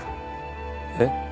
えっ？